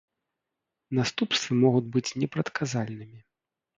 Наступствы могуць быць непрадказальнымі.